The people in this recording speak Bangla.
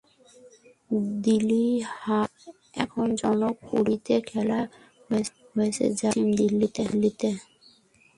দিলি হাট এখন জনক পুরীতে খোলা হয়েছে যা পশ্চিম দিল্লিতে।